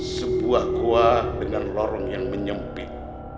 sebuah gua dengan lorong yang menyempit